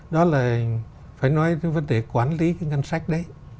đó là phải nói cái vấn đề quản lý cái ngân sách đấy